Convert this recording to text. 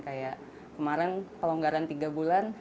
kayak kemarin pelonggaran tiga bulan hari ini unpaid leave lagi